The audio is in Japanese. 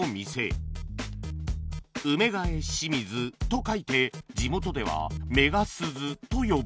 「梅ヶ枝清水」と書いて地元では「めがすず」と呼ぶ